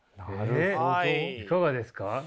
えっいかがですか？